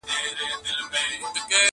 پړ هم زه سوم مړ هم زه سوم -